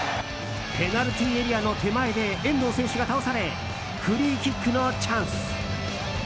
ペナルティーエリアの手前で遠藤選手が倒されフリーキックのチャンス。